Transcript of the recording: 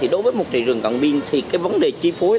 đối với một thị trường cận biên thì vấn đề chi phối